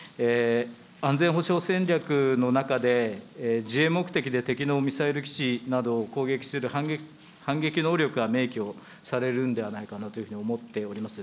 安全保障戦略の中で、自衛目的で敵のミサイル基地などを攻撃する反撃能力が明記をされるんではないかなというふうに思っております。